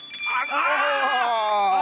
ああ！